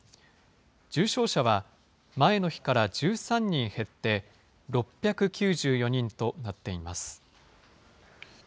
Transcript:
重症者は前の日から１３人減って、６９４人となっています。